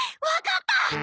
わかった！